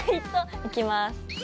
いきます。